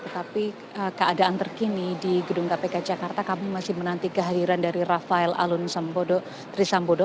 tetapi keadaan terkini di gedung kpk jakarta kami masih menanti kehadiran dari rafael alun trisambodo